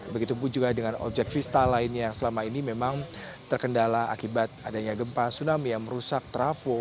begitupun juga dengan objek vital lainnya yang selama ini memang terkendala akibat adanya gempa tsunami yang merusak trafo